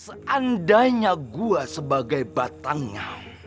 seandainya gua sebagai batangnya